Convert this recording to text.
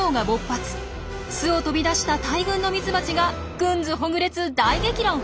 巣を飛び出した大群のミツバチがくんずほぐれつ大激論！